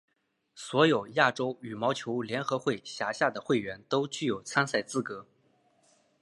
所有亚洲羽毛球联合会辖下的会员都具有参赛资格。